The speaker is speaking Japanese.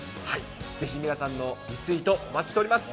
ぜひ皆さんのリツイート、お待ちしております。